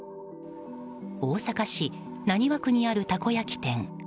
大阪市浪速区にあるたこ焼き店。